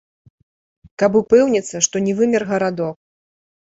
Каб упэўніцца, што не вымер гарадок.